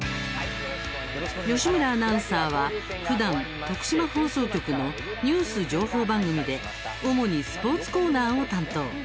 義村アナウンサーは、ふだん徳島放送局のニュース情報番組で主にスポーツコーナーを担当。